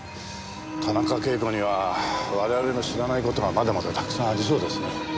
田中啓子には我々の知らない事がまだまだたくさんありそうですね。